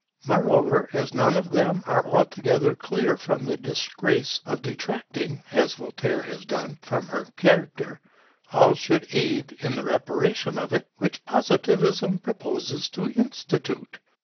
Moreover, as none of them are altogether clear from the disgrace of detracting, as Voltaire has done, from her character, all should aid in the reparation of it which Positivism proposes to institute.